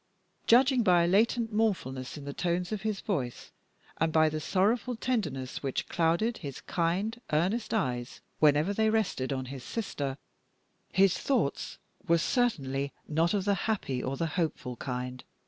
Judging by a latent mournfulness in the tones of his voice, and by the sorrowful tenderness which clouded his kind, earnest eyes whenever they rested on his sister, his thoughts were certainly not of the happy or the hopeful kind.